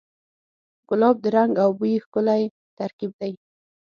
ګلاب د رنګ او بوی ښکلی ترکیب دی.